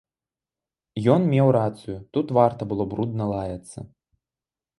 Ён меў рацыю, тут варта было брудна лаяцца.